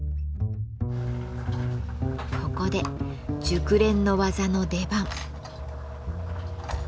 ここで熟練の技の出番。